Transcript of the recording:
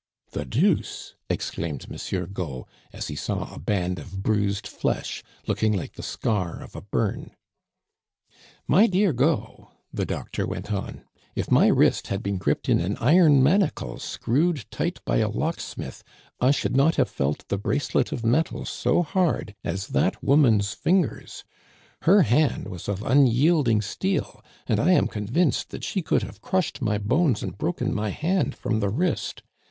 "The deuce!" exclaimed Monsieur Gault, as he saw a band of bruised flesh, looking like the scar of a burn. "My dear Gault," the doctor went on, "if my wrist had been gripped in an iron manacle screwed tight by a locksmith, I should not have felt the bracelet of metal so hard as that woman's fingers; her hand was of unyielding steel, and I am convinced that she could have crushed my bones and broken my hand from the wrist.